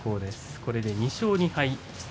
これで２勝２敗です。